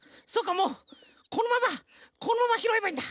もうこのままこのままひろえばいいんだ。